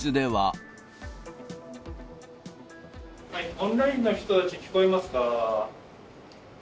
オンラインの人たち、聞こえますか？